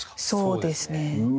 そうですね。